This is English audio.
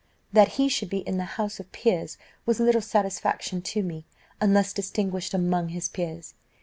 That he should be in the House of Peers was little satisfaction to me, unless distinguished among his peers.